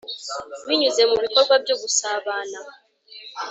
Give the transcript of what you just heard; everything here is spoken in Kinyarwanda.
Binyuze mu bikorwa byo gusabana